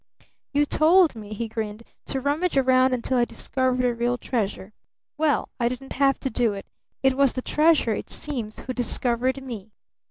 "You told me," he grinned, "to rummage around until I discovered a Real Treasure? Well, I didn't have to do it! It was the Treasure, it seems, who discovered me!"